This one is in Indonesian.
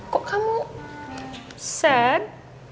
kok kamu sad